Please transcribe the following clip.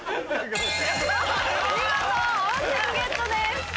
見事温泉ゲットです。